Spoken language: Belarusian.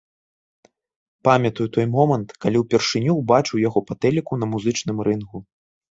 Памятаю той момант, калі ўпершыню ўбачыў яго па тэліку на музычным рынгу.